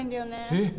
えっ？